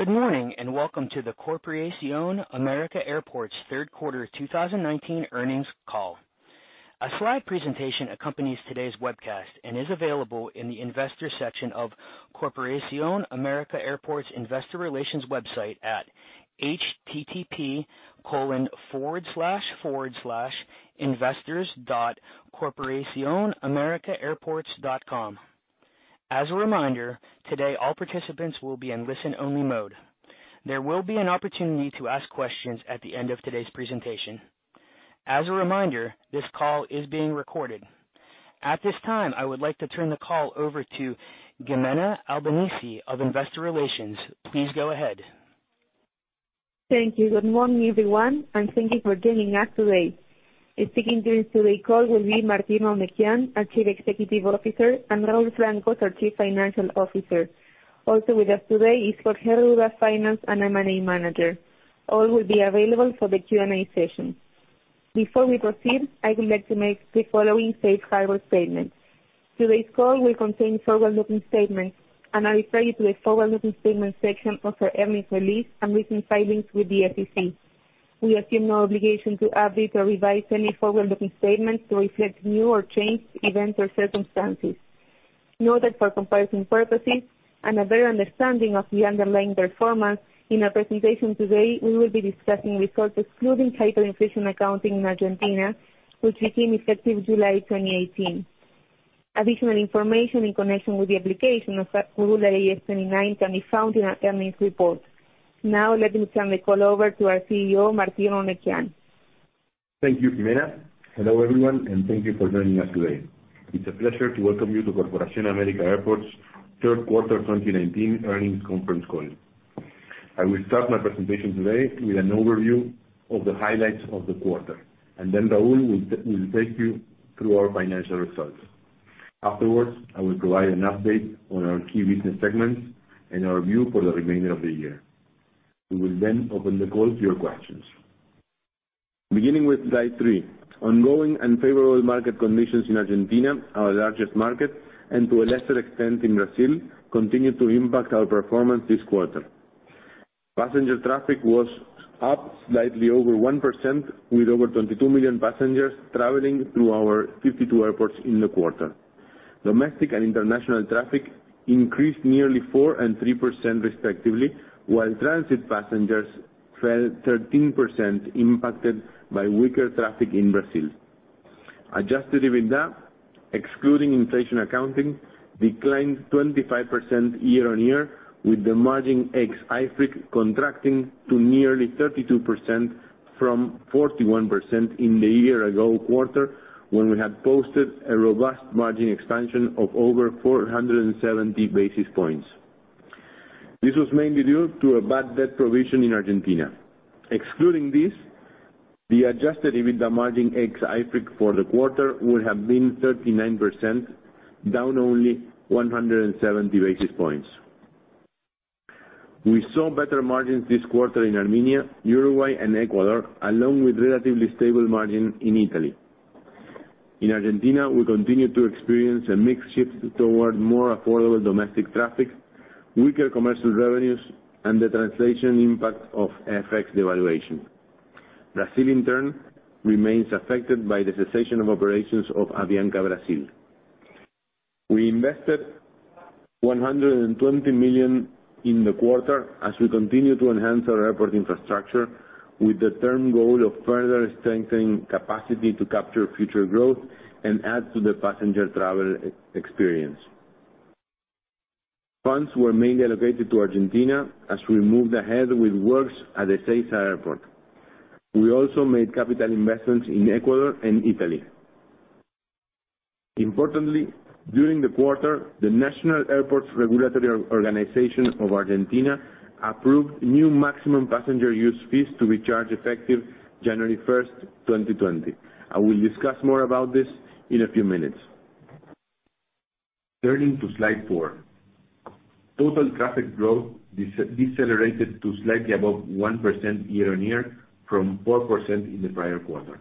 Good morning, and welcome to the Corporación América Airports third quarter 2019 earnings call. A slide presentation accompanies today's webcast and is available in the Investors section of Corporación América Airports Investor Relations website at http://investors.corporacionamericaairports.com. As a reminder, today, all participants will be in listen-only mode. There will be an opportunity to ask questions at the end of today's presentation. As a reminder, this call is being recorded. At this time, I would like to turn the call over to Gimena Albanesi of Investor Relations. Please go ahead. Thank you. Good morning, everyone, and thank you for joining us today. Speaking to you today will be Martín Eurnekian, our Chief Executive Officer, and Raúl Francos, our Chief Financial Officer. Also with us today is Jorge Arruda, Finance and M&A Manager. All will be available for the Q&A session. Before we proceed, I would like to make the following safe harbor statement. Today's call will contain forward-looking statements, and I refer you to the forward-looking statements section of our earnings release and recent filings with the SEC. We assume no obligation to update or revise any forward-looking statements to reflect new or changed events or circumstances. Note that for comparison purposes and a better understanding of the underlying performance, in our presentation today, we will be discussing results excluding hyperinflation accounting in Argentina, which became effective July 2018. Additional information in connection with the application of that rule IAS 29 can be found in our earnings report. Let me turn the call over to our CEO, Martín Eurnekian. Thank you, Gimena. Hello, everyone, and thank you for joining us today. It's a pleasure to welcome you to Corporación América Airports' third quarter 2019 earnings conference call. I will start my presentation today with an overview of the highlights of the quarter, and then Raúl will take you through our financial results. Afterwards, I will provide an update on our key business segments and our view for the remainder of the year. We will then open the call to your questions. Beginning with slide three, ongoing and favorable market conditions in Argentina, our largest market, and to a lesser extent in Brazil, continue to impact our performance this quarter. Passenger traffic was up slightly over 1%, with over 22 million passengers traveling through our 52 airports in the quarter. Domestic and international traffic increased nearly 4% and 3% respectively, while transit passengers fell 13%, impacted by weaker traffic in Brazil. Adjusted EBITDA, excluding inflation accounting, declined 25% year-on-year, with the margin ex-IFRIC contracting to nearly 32% from 41% in the year ago quarter when we had posted a robust margin expansion of over 470 basis points. This was mainly due to a bad debt provision in Argentina. Excluding this, the adjusted EBITDA margin ex-IFRIC for the quarter would have been 39%, down only 170 basis points. We saw better margins this quarter in Armenia, Uruguay, and Ecuador, along with relatively stable margin in Italy. In Argentina, we continued to experience a mix shift toward more affordable domestic traffic, weaker commercial revenues, and the translation impact of FX devaluation. Brazil, in turn, remains affected by the cessation of operations of Avianca Brasil. We invested $120 million in the quarter as we continue to enhance our airport infrastructure with the term goal of further strengthening capacity to capture future growth and add to the passenger travel experience. Funds were mainly allocated to Argentina as we moved ahead with works at Ezeiza Airport. We also made capital investments in Ecuador and Italy. Importantly, during the quarter, the National Airports Regulatory Organization of Argentina approved new maximum passenger use fees to be charged effective January 1st, 2020. I will discuss more about this in a few minutes. Turning to slide four. Total traffic growth decelerated to slightly above 1% year-on-year from 4% in the prior quarter.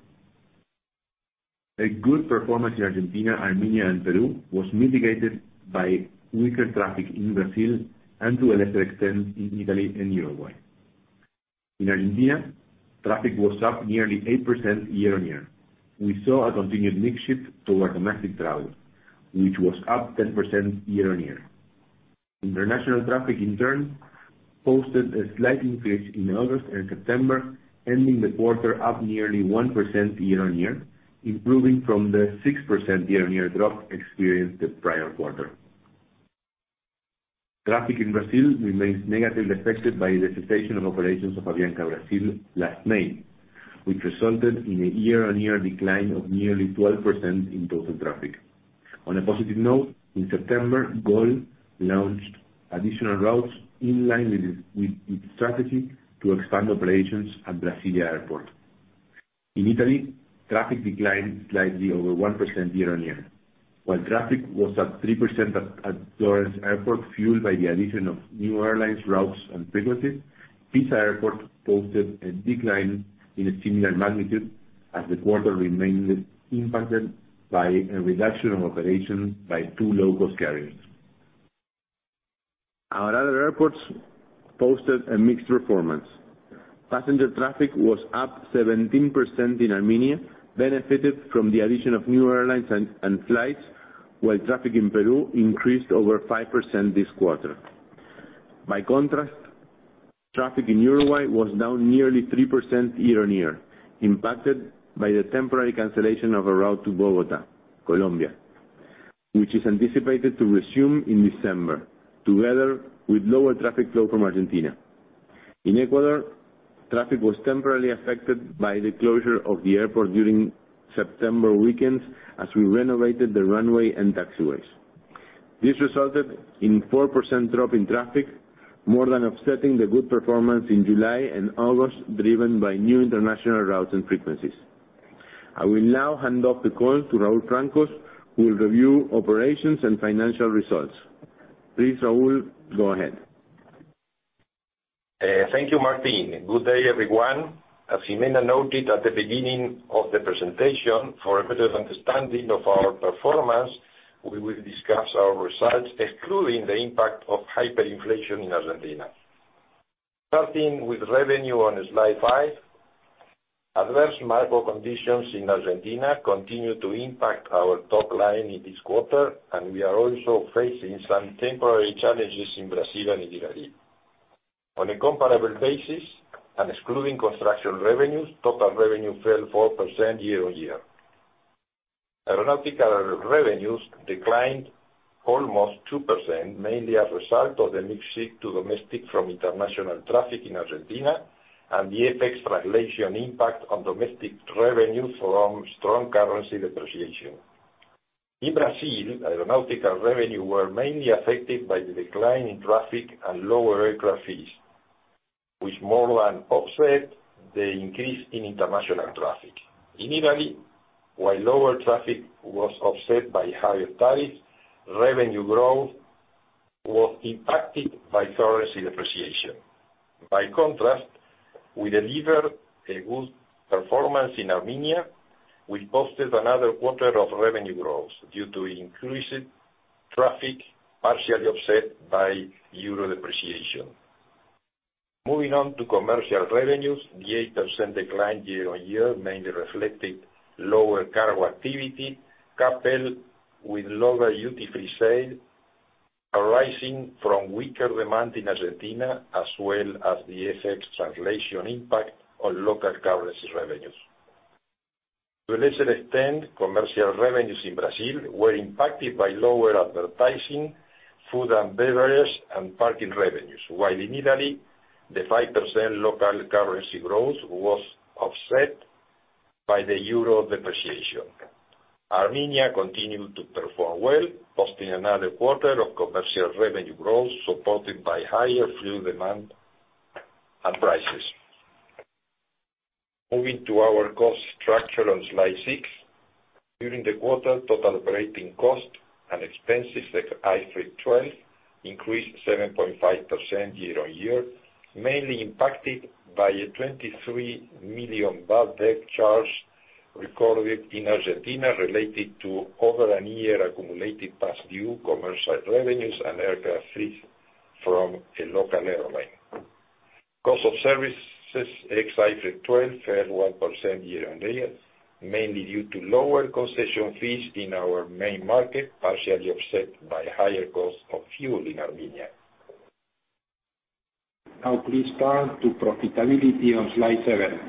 A good performance in Argentina, Armenia, and Peru was mitigated by weaker traffic in Brazil and to a lesser extent, in Italy and Uruguay. In Argentina, traffic was up nearly 8% year-on-year. We saw a continued mix shift toward domestic travel, which was up 10% year-on-year. International traffic, in turn, posted a slight increase in August and September, ending the quarter up nearly 1% year-on-year, improving from the 6% year-on-year drop experienced the prior quarter. Traffic in Brazil remains negatively affected by the cessation of operations of Avianca Brasil last May, which resulted in a year-on-year decline of nearly 12% in total traffic. On a positive note, in September, Gol launched additional routes in line with its strategy to expand operations at Brasilia Airport. In Italy, traffic declined slightly over 1% year-on-year. While traffic was up 3% at Florence Airport fueled by the addition of new airlines, routes, and frequencies, Pisa Airport posted a decline in a similar magnitude as the quarter remained impacted by a reduction of operations by two low-cost carriers. Our other airports posted a mixed performance. Passenger traffic was up 17% in Armenia, benefited from the addition of new airlines and flights, while traffic in Peru increased over 5% this quarter. By contrast, traffic in Uruguay was down nearly 3% year-on-year, impacted by the temporary cancellation of a route to Bogotá, Colombia, which is anticipated to resume in December, together with lower traffic flow from Argentina. In Ecuador, traffic was temporarily affected by the closure of the airport during September weekends as we renovated the runway and taxiways. This resulted in 4% drop in traffic, more than offsetting the good performance in July and August, driven by new international routes and frequencies. I will now hand off the call to Raúl Francos, who will review operations and financial results. Please, Raúl, go ahead. Thank you, Martín. Good day, everyone. As Gimena noted at the beginning of the presentation, for a better understanding of our performance, we will discuss our results, excluding the impact of hyperinflation in Argentina. Starting with revenue on slide five, adverse macro conditions in Argentina continue to impact our top line in this quarter, and we are also facing some temporary challenges in Brazil and Italy. On a comparable basis and excluding construction revenues, total revenue fell 4% year-on-year. Aeronautical revenues declined almost 2%, mainly as result of the mix shift to domestic from international traffic in Argentina and the FX translation impact on domestic revenue from strong currency depreciation. In Brazil, aeronautical revenue were mainly affected by the decline in traffic and lower aircraft fees, which more than offset the increase in international traffic. In Italy, while lower traffic was offset by higher tariffs, revenue growth was impacted by currency depreciation. By contrast, we delivered a good performance in Armenia. We posted another quarter of revenue growth due to increased traffic, partially offset by euro depreciation. Moving on to commercial revenues, the 8% decline year-on-year mainly reflected lower cargo activity, coupled with lower duty-free sale, arising from weaker demand in Argentina, as well as the FX translation impact on local currency revenues. To a lesser extent, commercial revenues in Brazil were impacted by lower advertising, food and beverage, and parking revenues. While in Italy, the 5% local currency growth was offset by the euro depreciation. Armenia continued to perform well, posting another quarter of commercial revenue growth supported by higher fuel demand and prices. Moving to our cost structure on slide six. During the quarter, total operating cost and expenses, ex-IFRIC 12, increased 7.5% year-on-year, mainly impacted by a $23 million bad debt charge recorded in Argentina related to over a year accumulated past due commercial revenues and aircraft fees from a local airline. Cost of services, ex IFRIC 12, fell 1% year-on-year, mainly due to lower concession fees in our main market, partially offset by higher cost of fuel in Armenia. Now please turn to profitability on slide seven.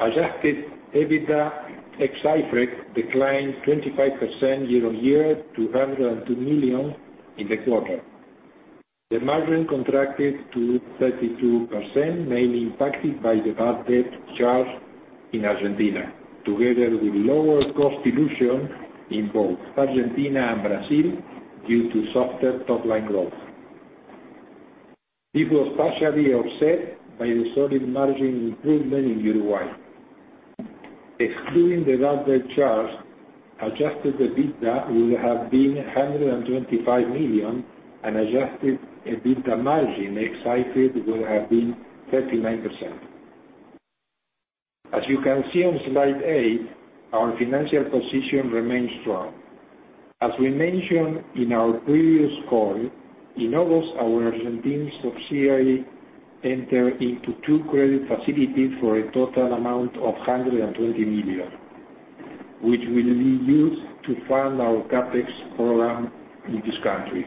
Adjusted EBITDA, ex IFRIC, declined 25% year-on-year to $102 million in the quarter. The margin contracted to 32%, mainly impacted by the bad debt charge in Argentina, together with lower cost dilution in both Argentina and Brazil due to softer top-line growth. It was partially offset by the solid margin improvement in Uruguay. Excluding the bad debt charge, adjusted EBITDA would have been $125 million, and adjusted EBITDA margin, ex IFRIC, would have been 39%. As you can see on slide eight, our financial position remains strong. As we mentioned in our previous call, in August, our Argentine subsidiary entered into two credit facilities for a total amount of $120 million, which will be used to fund our CapEx program in this country.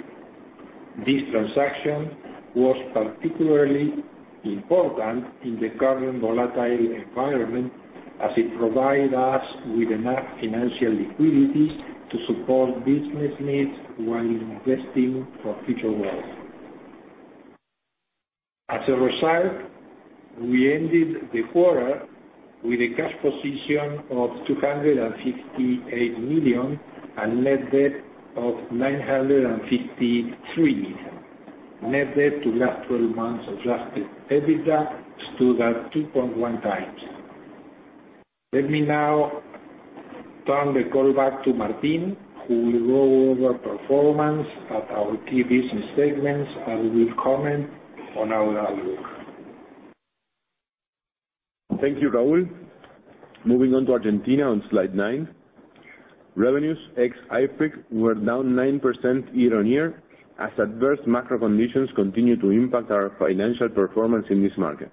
This transaction was particularly important in the current volatile environment, as it provide us with enough financial liquidity to support business needs while investing for future growth. As a result, we ended the quarter with a cash position of $258 million and net debt of $953 million. Net debt to last 12 months adjusted EBITDA stood at 2.1 times. Let me now turn the call back to Martín, who will go over performance at our key business segments and will comment on our outlook. Thank you, Raúl. Moving on to Argentina on slide nine. Revenues ex IFRIC were down 9% year-on-year, as adverse macro conditions continue to impact our financial performance in this market.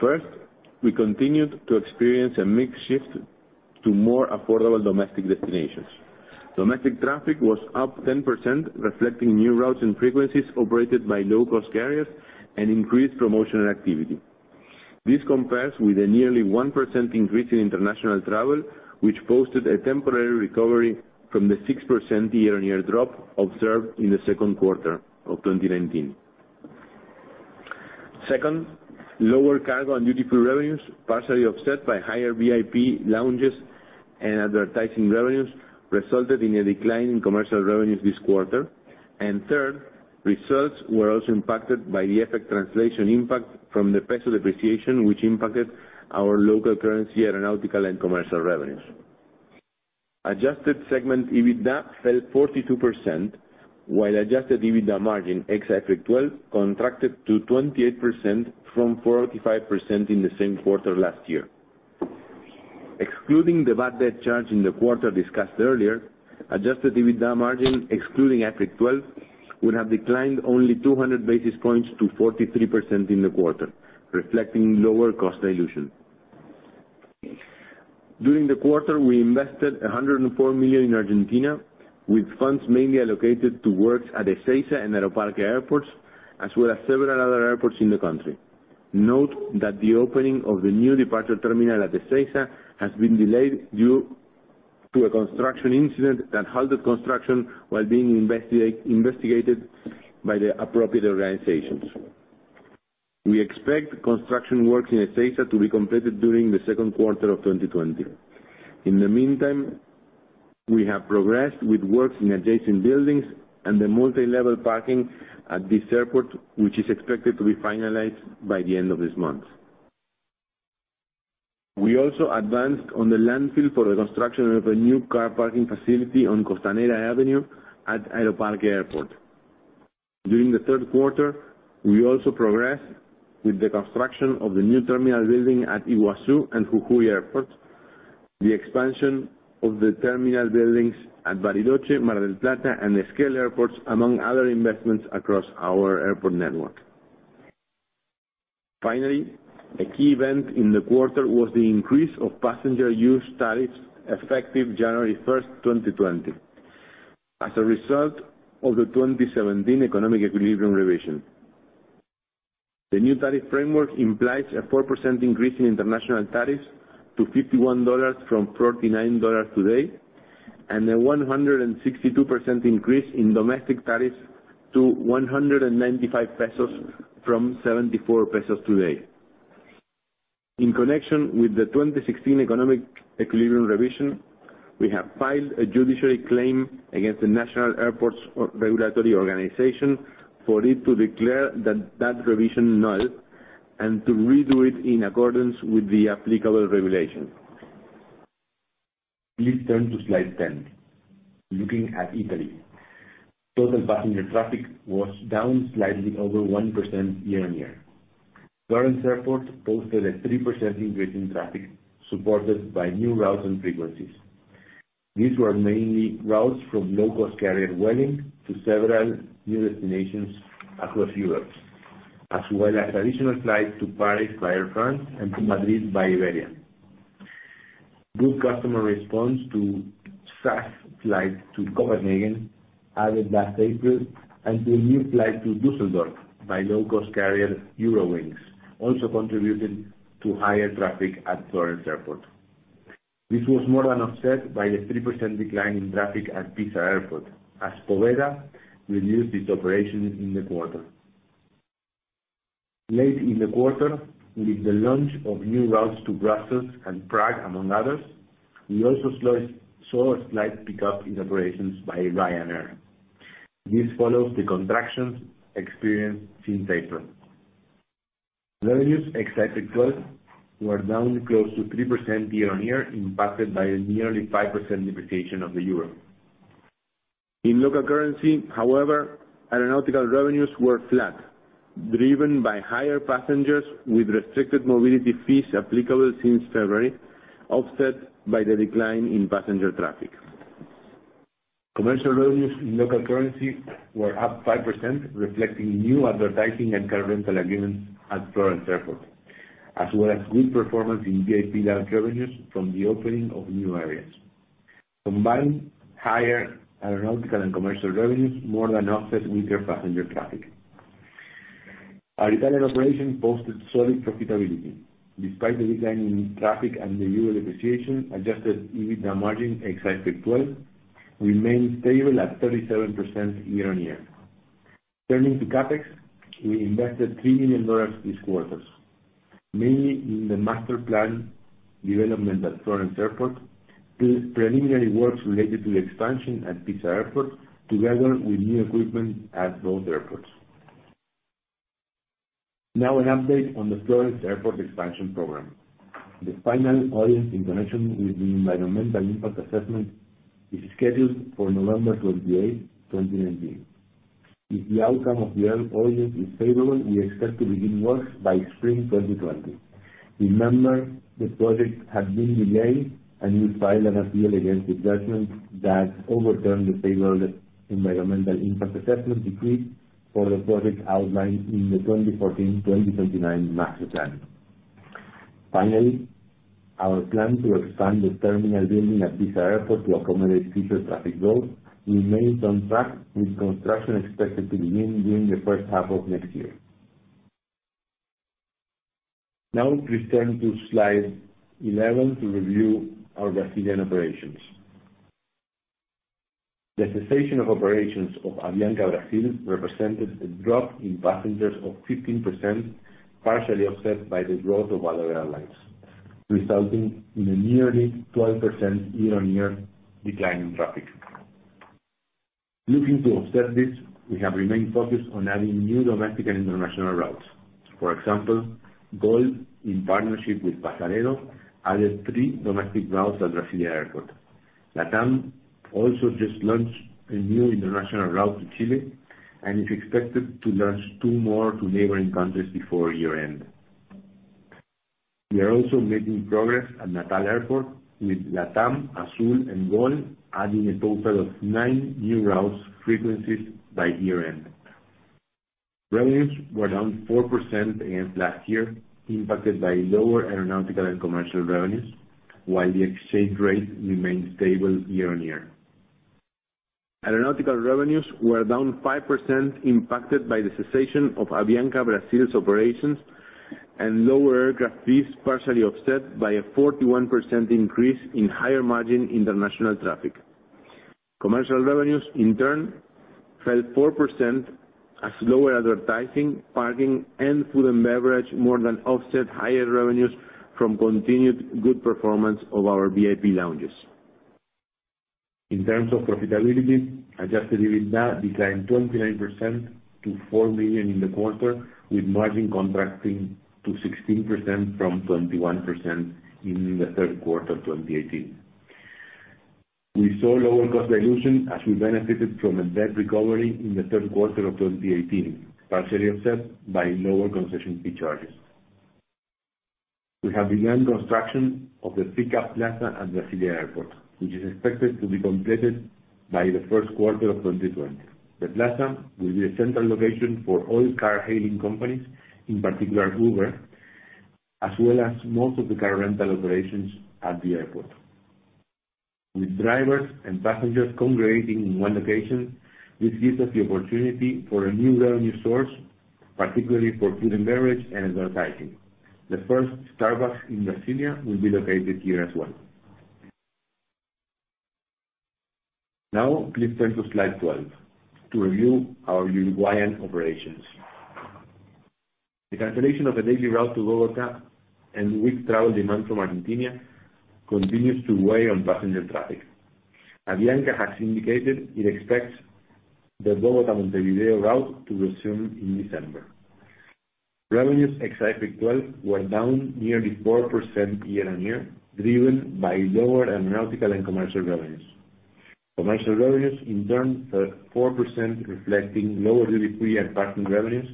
First, we continued to experience a mix shift to more affordable domestic destinations. Domestic traffic was up 10%, reflecting new routes and frequencies operated by low-cost carriers and increased promotional activity. This compares with a nearly 1% increase in international travel, which posted a temporary recovery from the 6% year-on-year drop observed in the second quarter of 2019. Second, lower cargo and duty-free revenues, partially offset by higher VIP lounges and advertising revenues, resulted in a decline in commercial revenues this quarter. Third, results were also impacted by the effect translation impact from the peso depreciation, which impacted our local currency aeronautical and commercial revenues. Adjusted segment EBITDA fell 42%, while adjusted EBITDA margin ex IFRIC 12 contracted to 28% from 45% in the same quarter last year. Excluding the bad debt charge in the quarter discussed earlier, adjusted EBITDA margin excluding IFRIC 12 would have declined only 200 basis points to 43% in the quarter, reflecting lower cost dilution. During the quarter, we invested $104 million in Argentina, with funds mainly allocated to works at Ezeiza and Aeroparque Airport, as well as several other airports in the country. Note that the opening of the new departure terminal at Ezeiza has been delayed due to a construction incident that halted construction while being investigated by the appropriate organizations. We expect construction work in Ezeiza to be completed during the second quarter of 2020. In the meantime, we have progressed with works in adjacent buildings and the multilevel parking at this airport, which is expected to be finalized by the end of this month. We also advanced on the landfill for the construction of a new car parking facility on Costanera Avenue at Aeroparque Airport. During the third quarter, we also progressed with the construction of the new terminal building at Iguazu and Jujuy Airports, the expansion of the terminal buildings at Bariloche, Mar del Plata, and Esquel airports, among other investments across our airport network. Finally, a key event in the quarter was the increase of passenger use tariffs effective January 1st, 2020, as a result of the 2017 economic equilibrium revision. The new tariff framework implies a 4% increase in international tariffs to $51 from $49 today, and a 162% increase in domestic tariffs to 195 pesos from 74 pesos today. In connection with the 2016 economic equilibrium revision, we have filed a judiciary claim against the National Airports Regulatory Organization for it to declare that revision null and to redo it in accordance with the applicable regulation. Please turn to slide 10. Looking at Italy, total passenger traffic was down slightly over 1% year-on-year. Florence Airport posted a 3% increase in traffic, supported by new routes and frequencies. These were mainly routes from low-cost carrier Vueling to several new destinations across Europe, as well as additional flights to Paris by Air France and to Madrid by Iberia. Good customer response to SAS flights to Copenhagen added that April, and the new flight to Düsseldorf by low-cost carrier Eurowings also contributed to higher traffic at Florence Airport. This was more than offset by a 3% decline in traffic at Pisa Airport as Vueling reduced its operation in the quarter. Late in the quarter, with the launch of new routes to Brussels and Prague, among others, we also saw a slight pickup in operations by Ryanair. This follows the contractions experienced since April. Revenues ex IFRIC 12 were down close to 3% year-over-year, impacted by a nearly 5% depreciation of the EUR. In local currency, however, aeronautical revenues were flat, driven by higher passengers with restricted mobility fees applicable since February, offset by the decline in passenger traffic. Commercial revenues in local currency were up 5%, reflecting new advertising and car rental agreements at Florence Airport, as well as good performance in VIP lounge revenues from the opening of new areas. Combined higher aeronautical and commercial revenues more than offset weaker passenger traffic. Our Italian operation posted solid profitability. Despite the decline in traffic and the EUR depreciation, adjusted EBITDA margin ex IFRIC 12 remained stable at 37% year-over-year. Turning to CapEx, we invested EUR 3 million this quarter, mainly in the master plan development at Florence Airport, the preliminary works related to the expansion at Pisa Airport, together with new equipment at both airports. Now an update on the Florence Airport expansion program. The final audience in connection with the environmental impact assessment is scheduled for November 28, 2019. If the outcome of the appeal is favorable, we expect to begin work by spring 2020. Remember, the project had been delayed, and we filed an appeal against the judgment that overturned the favorable environmental impact assessment decree for the project outlined in the 2014-2029 master plan. Finally, our plan to expand the terminal building at Pisa Airport to accommodate future traffic growth remains on track, with construction expected to begin during the first half of next year. Now please turn to Slide 11 to review our Brazilian operations. The cessation of operations of Avianca Brasil represented a drop in passengers of 15%, partially offset by the growth of other airlines, resulting in a nearly 12% year-on-year decline in traffic. Looking to offset this, we have remained focused on adding new domestic and international routes. For example, Gol, in partnership with Passaredo, added three domestic routes at Brasilia Airport. LATAM also just launched a new international route to Chile and is expected to launch two more to neighboring countries before year-end. We are also making progress at Natal Airport, with LATAM, Azul, and Gol adding a total of nine new route frequencies by year-end. Revenues were down 4% against last year, impacted by lower aeronautical and commercial revenues, while the exchange rate remained stable year-on-year. Aeronautical revenues were down 5%, impacted by the cessation of Avianca Brasil's operations and lower aircraft fees, partially offset by a 41% increase in higher-margin international traffic. Commercial revenues, in turn, fell 4%, as lower advertising, parking, and food and beverage more than offset higher revenues from continued good performance of our VIP lounges. In terms of profitability, adjusted EBITDA declined 29% to $4 million in the quarter, with margin contracting to 16% from 21% in the third quarter of 2018. We saw lower cost dilution as we benefited from a debt recovery in the third quarter of 2018, partially offset by lower concession fee charges. We have begun construction of the pickup plaza at Brasilia Airport, which is expected to be completed by the first quarter of 2020. The plaza will be a central location for all car-hailing companies, in particular Uber, as well as most of the car rental operations at the airport. With drivers and passengers congregating in one location, this gives us the opportunity for a new revenue source, particularly for food and beverage and advertising. The first Starbucks in Brasilia will be located here as well. Now, please turn to Slide 12 to review our Uruguayan operations. The cancellation of the daily route to Bogotá and weak travel demand from Argentina continues to weigh on passenger traffic. Avianca has indicated it expects the Bogotá-Montevideo route to resume in December. Revenues ex IFRIC 12 were down nearly 4% year-on-year, driven by lower aeronautical and commercial revenues. Commercial revenues, in turn, were down 4%, reflecting lower duty free and parking revenues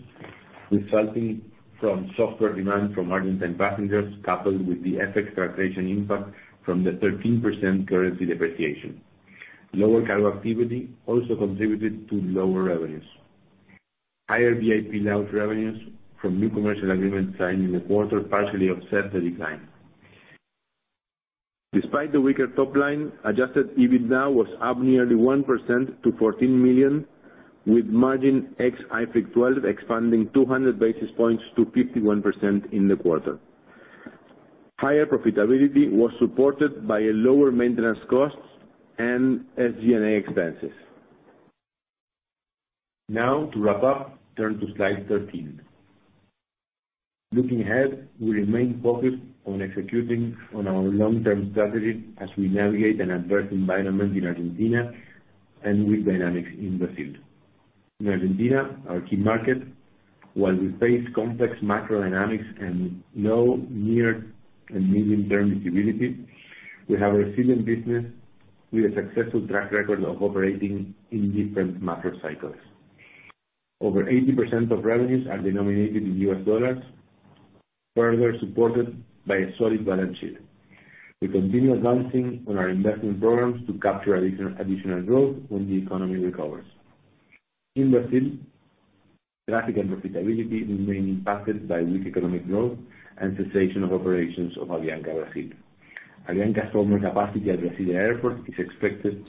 resulting from softer demand from Argentine passengers, coupled with the FX translation impact from the 13% currency depreciation. Lower cargo activity also contributed to lower revenues. Higher VIP lounge revenues from new commercial agreements signed in the quarter partially offset the decline. Despite the weaker top line, adjusted EBITDA was up nearly 1% to $14 million, with margin ex IFRIC 12 expanding 200 basis points to 51% in the quarter. Higher profitability was supported by lower maintenance costs and SG&A expenses. To wrap up, turn to Slide 13. Looking ahead, we remain focused on executing on our long-term strategy as we navigate an adverse environment in Argentina and weak dynamics in Brazil. In Argentina, our key market, while we face complex macro dynamics and no near- and medium-term visibility, we have a resilient business with a successful track record of operating in different macro cycles. Over 80% of revenues are denominated in US dollars, further supported by a solid balance sheet. We continue advancing on our investment programs to capture additional growth when the economy recovers. In Brazil, traffic and profitability remain impacted by weak economic growth and cessation of operations of Avianca Brasil. Avianca's former capacity at Brasilia Airport is expected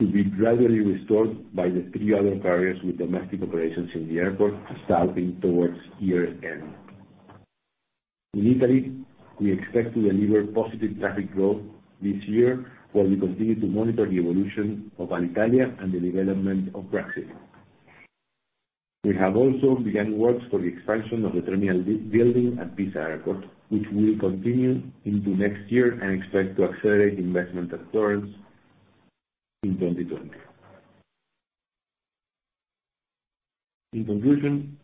to be gradually restored by the three other carriers with domestic operations in the airport starting towards year-end. In Italy, we expect to deliver positive traffic growth this year while we continue to monitor the evolution of Alitalia and the development of Brexit. We have also begun works for the expansion of the terminal building at Pisa Airport, which will continue into next year, and expect to accelerate investment afterwards in 2020. In conclusion,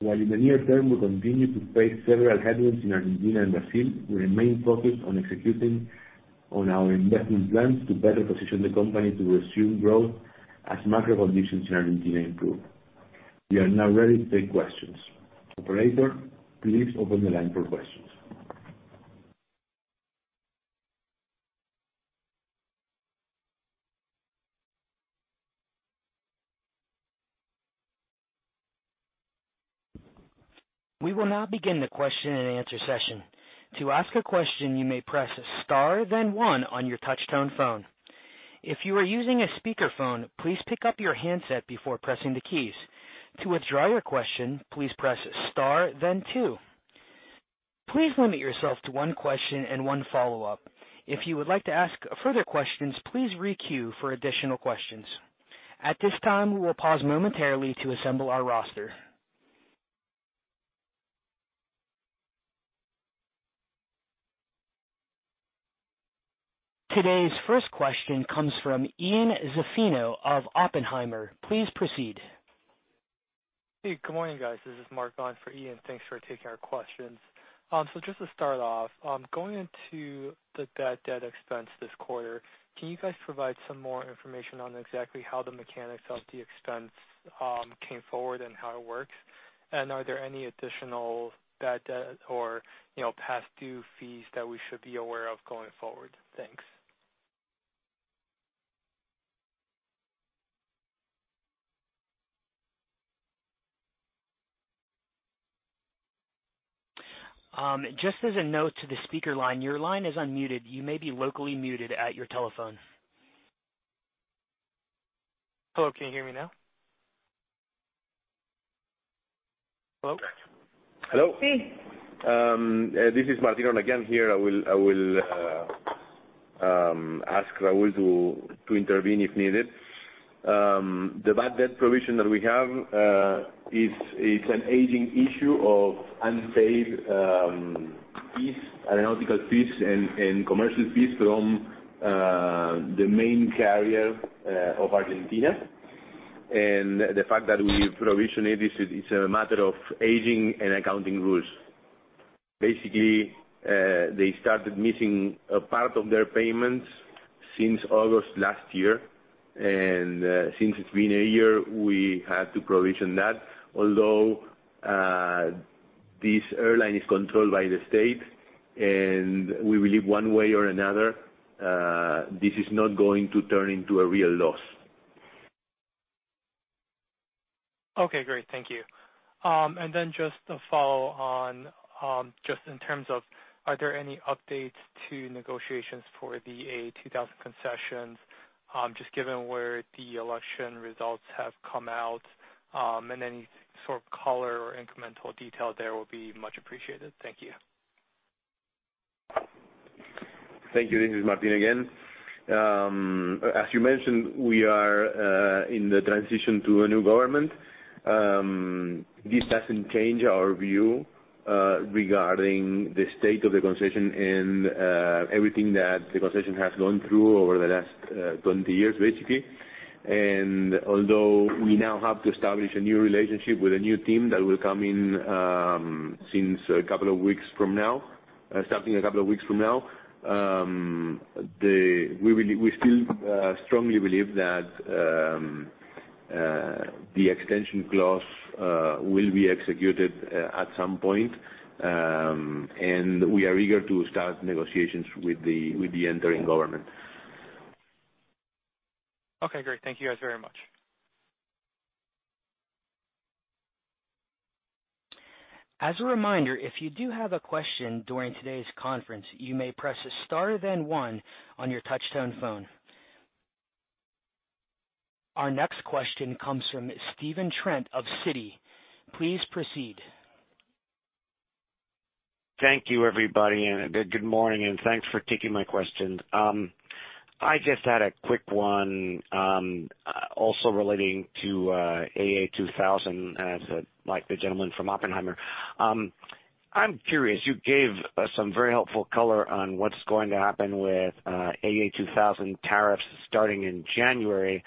while in the near term, we continue to face several headwinds in Argentina and Brazil, we remain focused on executing on our investment plans to better position the company to resume growth as macro conditions in Argentina improve. We are now ready to take questions. Operator, please open the line for questions. We will now begin the question and answer session. To ask a question, you may press star then one on your touchtone phone. If you are using a speakerphone, please pick up your handset before pressing the keys. To withdraw your question, please press star then two. Please limit yourself to one question and one follow-up. If you would like to ask further questions, please re-queue for additional questions. At this time, we will pause momentarily to assemble our roster. Today's first question comes from Ian Zaffino of Oppenheimer. Please proceed. Hey, good morning, guys. This is Mark on for Ian. Thanks for taking our questions. Just to start off, going into the bad debt expense this quarter, can you guys provide some more information on exactly how the mechanics of the expense came forward and how it works? Are there any additional bad debt or past due fees that we should be aware of going forward? Thanks. Just as a note to the speaker line, your line is unmuted. You may be locally muted at your telephone. Hello, can you hear me now? Hello? Hello. Yes. This is Martín again here. I will ask Raúl to intervene if needed. The bad debt provision that we have, is an aging issue of unpaid fees, aeronautical fees, and commercial fees from the main carrier of Argentina. The fact that we provision it is a matter of aging and accounting rules. Basically, they started missing a part of their payments since August last year. Since it's been a year, we had to provision that. Although, this airline is controlled by the state, and we believe one way or another, this is not going to turn into a real loss. Okay, great. Thank you. Just to follow on, just in terms of, are there any updates to negotiations for the AA2000 concessions? Just given where the election results have come out, and any sort of color or incremental detail there will be much appreciated. Thank you. Thank you. This is Martín again. As you mentioned, we are in the transition to a new government. This doesn't change our view regarding the state of the concession and everything that the concession has gone through over the last 20 years, basically. Although we now have to establish a new relationship with a new team that will come in starting a couple of weeks from now, we still strongly believe that the extension clause will be executed at some point. We are eager to start negotiations with the entering government. Okay, great. Thank you guys very much. As a reminder, if you do have a question during today's conference, you may press star then one on your touchtone phone. Our next question comes from Stephen Trent of Citi. Please proceed. Thank you, everybody, good morning, and thanks for taking my questions. I just had a quick one, also relating to AA2000, like the gentleman from Oppenheimer. I'm curious, you gave some very helpful color on what's going to happen with AA2000 tariffs starting in January.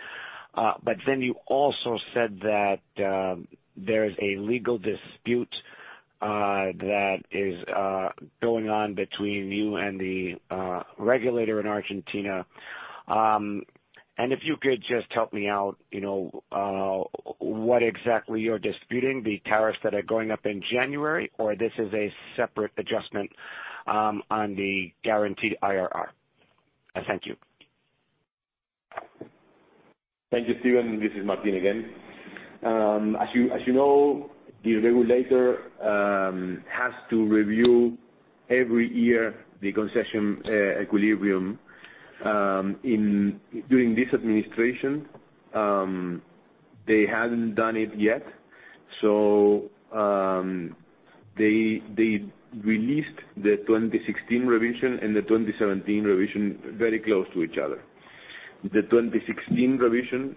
You also said that there is a legal dispute that is going on between you and the regulator in Argentina. If you could just help me out, what exactly you're disputing, the tariffs that are going up in January, or this is a separate adjustment on the guaranteed IRR? Thank you. Thank you, Stephen. This is Martín again. As you know, the regulator has to review every year the concession equilibrium. During this administration, they hadn't done it yet. They released the 2016 revision and the 2017 revision very close to each other. The 2016 revision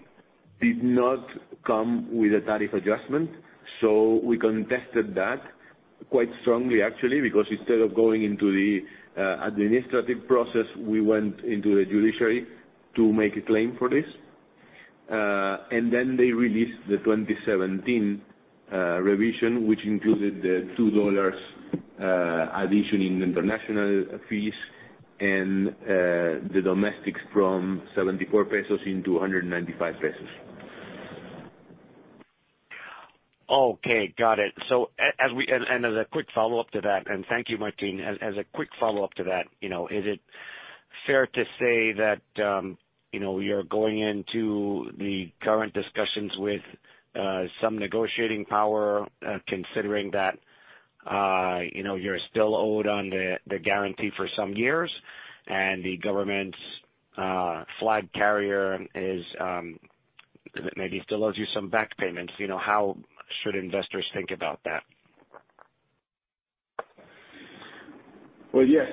did not come with a tariff adjustment, so we contested that. Quite strongly actually, because instead of going into the administrative process, we went into the judiciary to make a claim for this. Then they released the 2017 revision, which included the $2 addition in international fees and the domestics from 74 pesos into 195 pesos. Okay, got it. As a quick follow-up to that, and thank you, Martín. As a quick follow-up to that, is it fair to say that you're going into the current discussions with some negotiating power, considering that you're still owed on the guarantee for some years and the government's flag carrier maybe still owes you some back payments? How should investors think about that? Well, yes.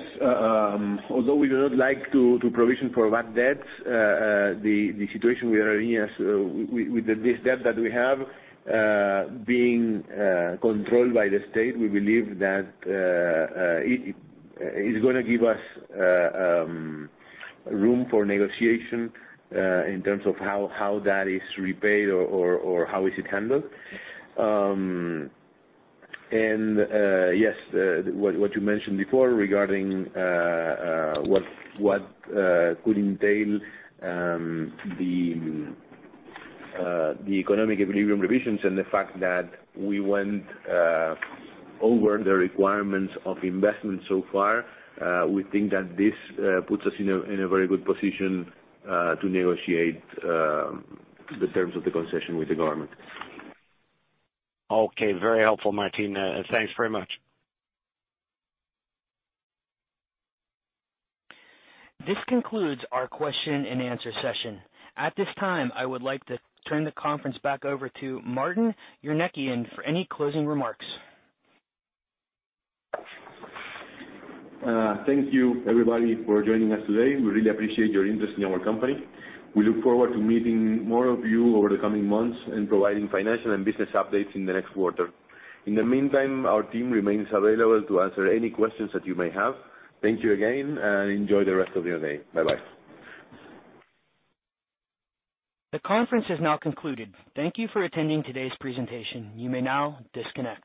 Although we do not like to provision for back debts, the situation we are in with this debt that we have, being controlled by the state, we believe that it is going to give us room for negotiation in terms of how that is repaid or how is it handled. Yes, what you mentioned before regarding what could entail the economic equilibrium revisions and the fact that we went over the requirements of investment so far, we think that this puts us in a very good position to negotiate the terms of the concession with the government. Okay. Very helpful, Martín. Thanks very much. This concludes our question and answer session. At this time, I would like to turn the conference back over to Martín Eurnekian for any closing remarks. Thank you everybody for joining us today. We really appreciate your interest in our company. We look forward to meeting more of you over the coming months and providing financial and business updates in the next quarter. In the meantime, our team remains available to answer any questions that you may have. Thank you again and enjoy the rest of your day. Bye-bye. The conference has now concluded. Thank you for attending today's presentation. You may now disconnect.